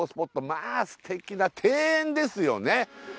まあステキな庭園ですよね